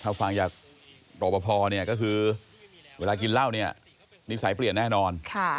ถ้าฟังอยากรบพอคือเวลากินเหล้านี่นิสัยเปลี่ยนแน่นอน